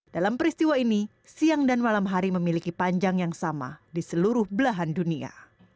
dalam peristiwa ini siang dan malam hari memiliki panjang yang sama di seluruh belahan dunia